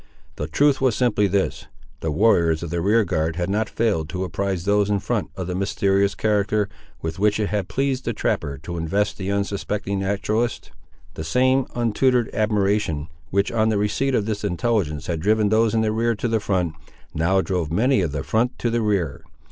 The truth was simply this. The warriors of the rearguard had not failed to apprise those in front of the mysterious character, with which it had pleased the trapper to invest the unsuspecting naturalist. The same untutored admiration, which on the receipt of this intelligence had driven those in the rear to the front, now drove many of the front to the rear.